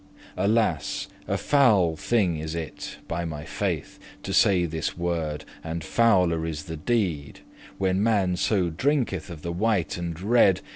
<13> Alas! a foul thing is it, by my faith, To say this word, and fouler is the deed, When man so drinketh of the *white and red,* *i.